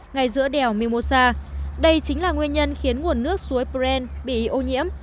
ngay giữa đèo mimosa đây chính là nguyên nhân khiến nguồn nước suối pren bị ô nhiễm